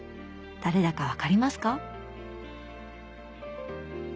誰だか分かりますか？